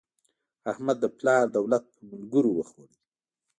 احمد د پلار دولت په ملګرو وخوړ.